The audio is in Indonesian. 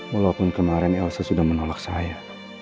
walaupun kemarin elsa sudah menolak saya